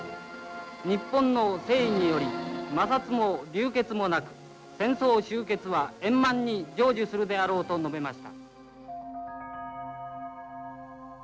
日本の誠意により摩擦も流血もなく戦争終結は円満に成就するであろうと述べました」。